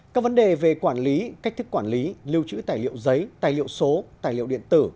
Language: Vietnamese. các vấn đề về quản lý cách thức quản lý lưu trữ tài liệu giấy tài liệu số tài liệu điện tử